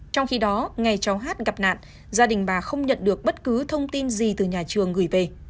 trong khi đó ngày cháu hát gặp nạn gia đình bà không nhận được bất cứ thông tin gì từ nhà trường gửi về